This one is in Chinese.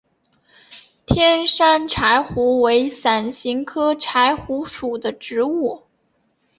天山柴胡为伞形科柴胡属的植物。